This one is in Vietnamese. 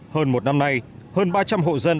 hơn một năm nay hơn ba trăm linh hộ dân